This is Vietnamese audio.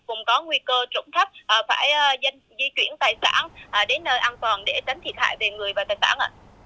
vùng có nguy cơ trụng thấp phải di chuyển tài sản đến nơi an toàn để tránh thiệt hại về người và tài sản